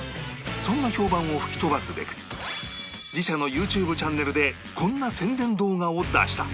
そんな評判を吹き飛ばすべく自社の ＹｏｕＴｕｂｅ チャンネルでこんな宣伝動画を出した